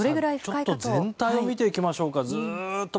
ちょっと全体を見ていきましょうか。